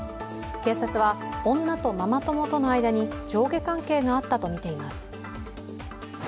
警察は、女とママ友との間に上下関係があったとみています。